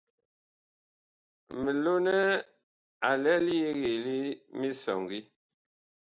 Milonɛ a lɛ li yegee li misɔŋgi.